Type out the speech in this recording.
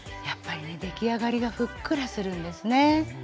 やっぱりね出来上がりがふっくらするんですね。